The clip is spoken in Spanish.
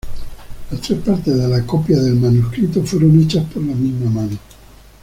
Las tres partes de la copia del manuscrito fueron hechas por la misma mano.